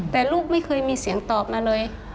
แต่ลูกไม่เคยมีเสียงตอบมาเลย